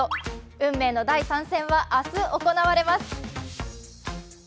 運命の第３戦は明日行われます。